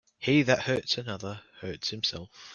He that hurts another, hurts himself.